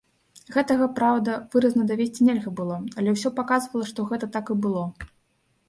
Гэтага, праўда, выразна давесці нельга было, але ўсё паказвала, што гэта так і было.